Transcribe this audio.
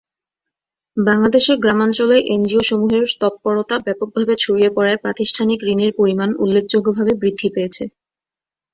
বাংলাদেশের গ্রামাঞ্চলে এনজিওসমূহের তৎপরতা ব্যাপকভাবে ছড়িয়ে পড়ায় প্রাতিষ্ঠানিক ঋণের পরিমাণ উল্লেখযোগ্যভাবে বৃদ্ধি পেয়েছে।